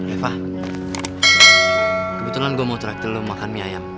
eva kebetulan gue mau trakte lu makan mie ayam